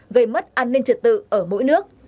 gây mất an ninh trật tự ở mỗi nước